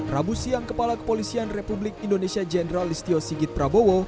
rabu siang kepala kepolisian republik indonesia jenderal istio sigit prabowo